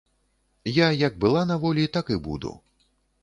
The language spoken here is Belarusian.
Я як была на волі, так і буду.